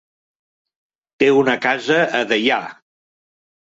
Té una casa a Deià.